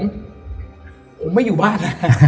ผมไม่อยู่บ้าน